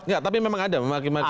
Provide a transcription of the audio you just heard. enggak tapi memang ada memaki maki